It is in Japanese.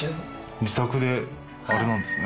自宅であれなんですね。